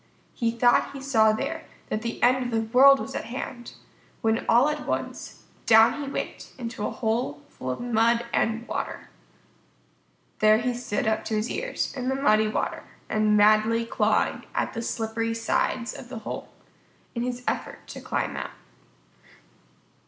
He thought he saw there that the end of the world was at hand, when all at once, down he went into a hole full of mud and water. There he stood up to his ears, in the muddy water, and madly clawing at the slippery sides of the hole in his effort to climb out.